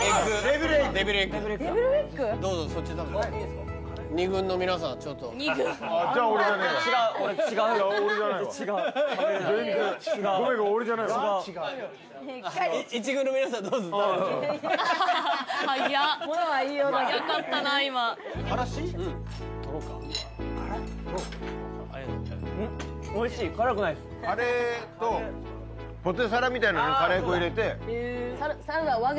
カレーとポテサラみたいのにカレー粉入れて。